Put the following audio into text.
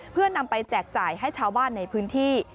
เพื่อนำไปแจกจ่ายให้ชาวบ้านในพื้นที่